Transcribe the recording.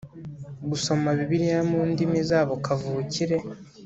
gusoma Bibiliya mu ndimi zabo kavukire